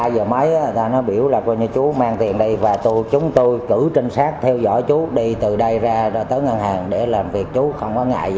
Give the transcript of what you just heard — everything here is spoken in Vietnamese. một mươi hai giờ mấy người ta nói biểu là chú mang tiền đây và chúng tôi cử trinh sát theo dõi chú đi từ đây ra tới ngân hàng để làm việc chú không có ngại gì